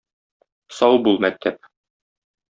Сау бул, мәктәп!